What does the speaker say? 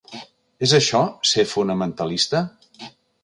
¿És això ser fonamentalista?